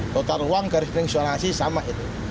tata ruang garis peningsurasi sama itu